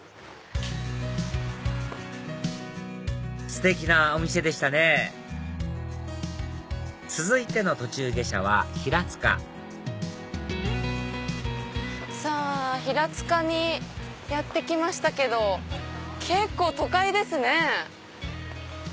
ステキなお店でしたね続いての途中下車は平塚さぁ平塚にやって来ましたけど結構都会ですね！